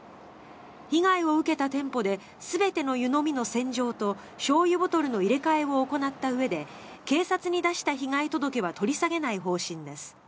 被害を受けた店舗で全ての湯飲みの洗浄としょうゆボトルの入れ替えを行ったうえで警察に出した被害届は取り下げない方針です。